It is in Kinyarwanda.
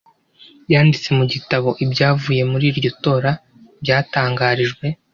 yanditse mugitabo ibyavuye muri iryo tora byatangarijwe .